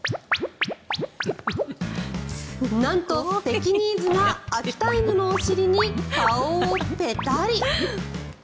なんとペキニーズが秋田犬のお尻に顔をペタリ。